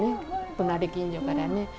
隣近所からね。